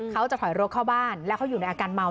เขาจะถอยรถเข้าบ้านแล้วเขาอยู่ในอาการเมา